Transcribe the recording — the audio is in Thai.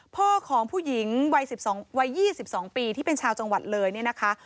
พ่อของผู้หญิงวัย๒๒ปีที่เป็นชาวจังหวัดเลยเนี่ยนะคะ